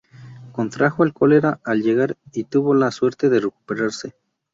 Contrajo el cólera al llegar y tuvo la suerte de recuperarse.